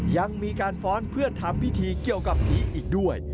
ยังมีการฟ้อนเพื่อทำพิธีเกี่ยวกับผีอีกด้วย